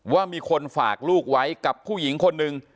ว่ามีคนฝากลูกไว้กับผู้หญิงคนหนึ่ง